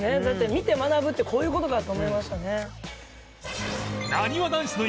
「見て学ぶ」ってこういう事かと思いましたね。